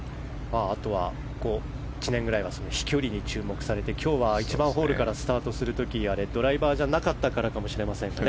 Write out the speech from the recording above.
あとは、１年ぐらいは飛距離に注目されて今日は１番ホールからスタートする時にドライバーじゃなかったからかもしれませんよね。